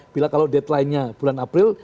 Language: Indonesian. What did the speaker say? bila kalau deadline nya bulan april